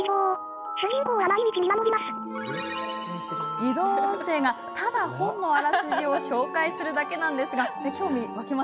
自動音声が、ただ本のあらすじを紹介するだけなのですが。